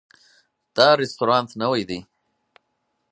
دا رستورانت نوی ده